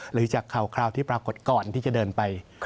หรือจากข่าวที่ปรากฏก่อนที่จะเดินไป